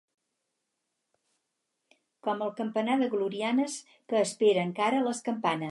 Com el campanar de Glorianes, que espera, encara, les campanes.